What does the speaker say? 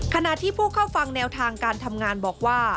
ขณะที่ผู้เข้าฟังแนวทางการทำงานบอกว่า